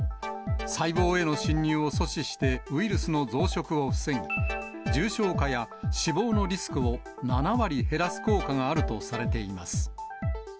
細胞への侵入を阻止してウイルスの増殖を防ぎ、重症化や死亡のリスクを７割減らす効果があるとされています。